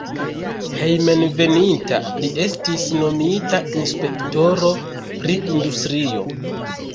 Hejmenveninta li estis nomita inspektoro pri industrio.